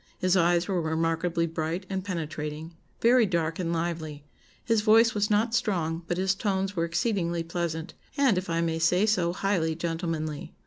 His eyes were remarkably bright and penetrating, very dark and lively: his voice was not strong, but his tones were exceedingly pleasant, and if I may say so, highly gentlemanly.